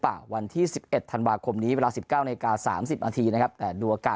เปล่าวันที่๑๑ธันบาคคมนี้เวลา๑๙นาที๓๐นาทีนะครับดูอากาศ